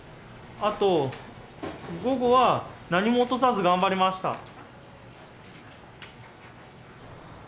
あと午後は何も落とさず頑張りました。